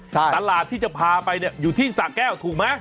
ตลาดที่จะพาไปเนี่ยอยู่ที่สะแก้วถูกไหม